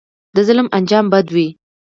د ظلم انجام بد وي